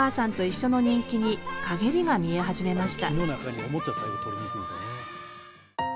木の中におもちゃ最後取りに行くんですよね。